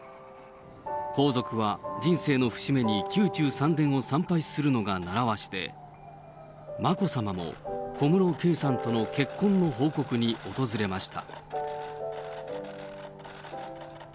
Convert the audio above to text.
皇族は人生の節目に宮中三殿を参拝するのがならわしで、眞子さまも小室圭さんとの結婚の報告に訪れました。